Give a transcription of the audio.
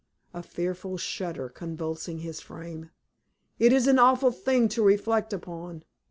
a fearful shudder convulsing his frame "it is an awful thing to reflect upon.